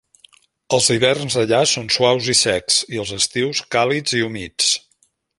Els hiverns allà són suaus i secs, i els estius càlids i humits.